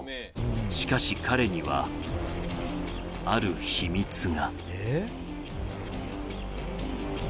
しかし彼には、ある秘密が。